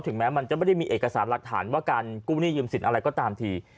แม้มันจะไม่ได้มีเอกสารหลักฐานว่าการกู้หนี้ยืมสินอะไรก็ตามที